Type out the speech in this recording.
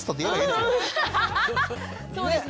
そうですね。